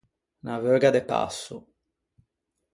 Unna veuga de passo.